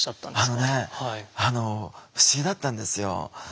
あのねあの不思議だったんですよ。